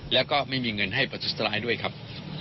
แล้วก็ไม่มีเงินให้ประทุษร้ายด้วยครับ